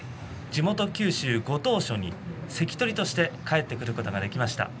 地元九州、ご当所に関取として帰ってくることができました。